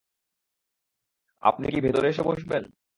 আপনি কি ভেতরে এসে বসবেন?